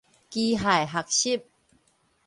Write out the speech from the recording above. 機械學習